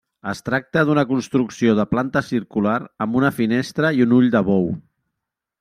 Es tracta d'una construcció de planta circular amb una finestra i un ull de bou.